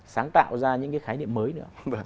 sáng tạo ra những cái khái niệm mới nữa